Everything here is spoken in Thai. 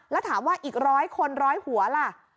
แล้วถามว่าอีก๑๐๐คน๑๐๐หัวล่ะ